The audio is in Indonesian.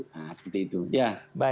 nah seperti itu ya